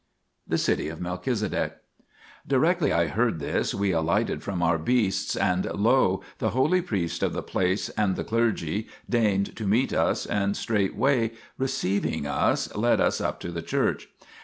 THE CITY OF MELCHIZEDEK Directly I heard this, we alighted from our beasts, and lo ! the holy priest of the place and the clergy deigned to meet us, and straightway receiving us led us up to the church.